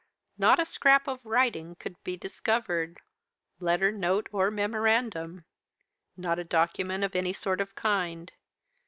Not a scrap of writing could be discovered letter, note, or memorandum. Not a document of any sort of kind.